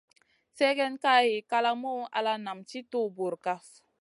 Sègèn ka hiy kalamou ala nam tì tuhu bur kaf.